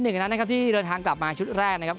หนึ่งในนั้นนะครับที่เดินทางกลับมาชุดแรกนะครับ